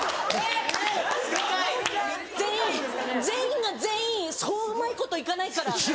全員全員が全員そううまいこと行かないから。